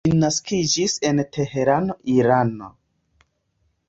Ŝi naskiĝis en Teherano, Irano.